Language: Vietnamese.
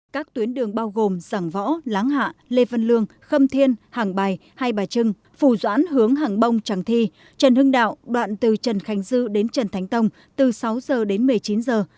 các tuyến đường bao gồm giảng võ láng hạ lê vân lương khâm thiên hàng bài hai bà trưng phủ doãn hướng hàng bông tràng thi trần hưng đạo đoạn từ trần khánh dư đến trần thánh tông từ sáu giờ đến một mươi chín giờ